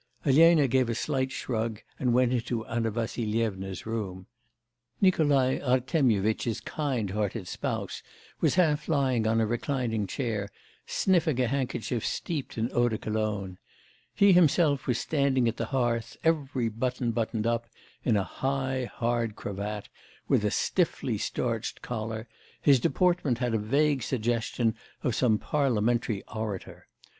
Elena gave a slight shrug and went into Anna Vassflyevna's room. Nikolai Artemyevitch's kind hearted spouse was half lying on a reclining chair, sniffing a handkerchief steeped in eau de Cologne; he himself was standing at the hearth, every button buttoned up, in a high, hard cravat, with a stiffly starched collar; his deportment had a vague suggestion of some parliamentary orator.